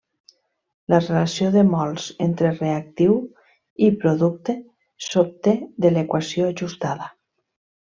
La relació de mols entre reactiu i producte s'obté de l'equació ajustada.